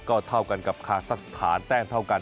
ก็เท่ากันกับคาซักสถานแต้มเท่ากัน